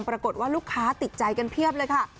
ปรากฏว่าลูกค้าติดใจกันเพียบเลยค่ะ